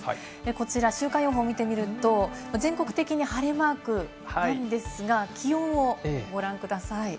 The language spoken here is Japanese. こちら週間予報を見てみると、全国的に晴れマークなんですが、気温をご覧ください。